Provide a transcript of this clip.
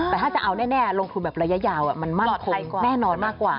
แต่ถ้าจะเอาแน่ลงทุนแบบระยะยาวมันมั่นคงแน่นอนมากกว่า